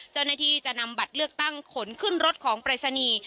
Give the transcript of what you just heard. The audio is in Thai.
เจ้าหน้าที่จะนำบัตรเลือกตั้งขนขึ้นรถของปรายศนีย์